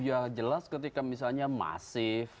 ya jelas ketika misalnya masif